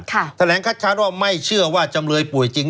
แถลงคัดค้านว่าไม่เชื่อว่าจำเลยป่วยจริง